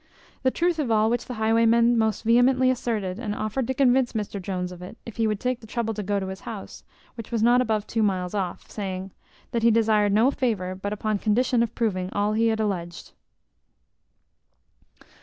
The truth of all which the highwayman most vehemently asserted, and offered to convince Mr Jones of it, if he would take the trouble to go to his house, which was not above two miles off; saying, "That he desired no favour, but upon condition of proving all he had all alledged."